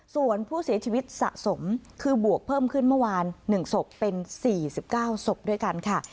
ส่วนผู้เสียชีวิตสะสมคือบวกเพิ่มขึ้นเมื่อวาน๑ศพเป็น๔๙ศพด้วยกันค่ะ